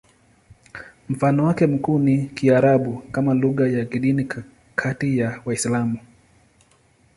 Mfano wake mkuu ni Kiarabu kama lugha ya kidini kati ya Waislamu.